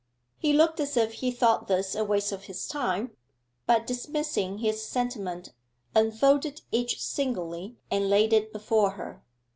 He looked as if he thought this a waste of his time, but dismissing his sentiment unfolded each singly and laid it before her.